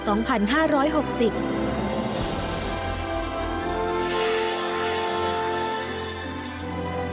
ฉบับวันที่๒๒ตุลาคมพุทธศักราช๒๕๖๐